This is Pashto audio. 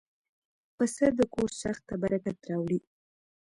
پسه د کور ساحت ته برکت راوړي.